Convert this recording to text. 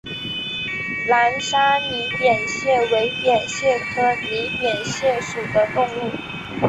南沙拟扁蟹为扁蟹科拟扁蟹属的动物。